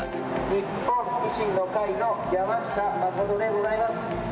日本維新の会の山下真でございます。